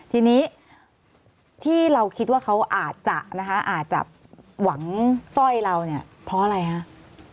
ทีนี้ที่เราคิดว่าเขาอาจจะอาจจะหวังสร้อยเราเพราะอะไรครับ